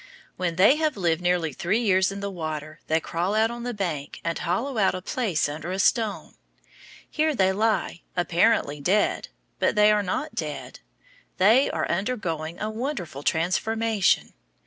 When they have lived nearly three years in the water they crawl out on the bank and hollow out a place under a stone. Here they lie, apparently dead, but they are not dead. They are undergoing a wonderful transformation.